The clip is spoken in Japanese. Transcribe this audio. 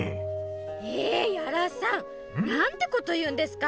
えー、屋良さん、なんてこと言うんですか！